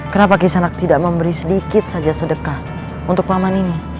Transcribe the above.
kenapa kisanak tidak memberi sedikit saja sedekah untuk paman ini